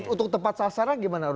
untuk tempat sasaran gimana